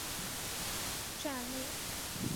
科罗拉多级战列舰是美国建造的一种战列舰。